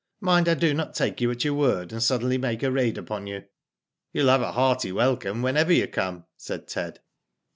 " Mind I do not take you at your word, and suddenly make a raid upon you," You will have a hearty welcome whenever you come," said Ted.